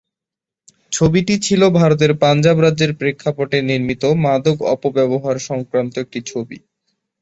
ছবিটি ছিল ভারতের পাঞ্জাব রাজ্যের প্রেক্ষাপটে নির্মিত মাদক অপব্যবহার-সংক্রান্ত একটি ছবি।